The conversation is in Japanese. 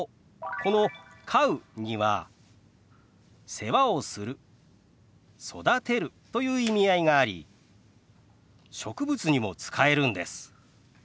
この「飼う」には「世話をする」「育てる」という意味合いがあり植物にも使えるんです。